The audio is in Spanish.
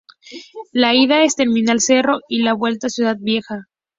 La ida es Terminal Cerro y la vuelta Ciudad Vieja.